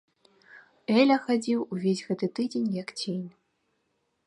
Эля хадзіў увесь гэты тыдзень, як цень.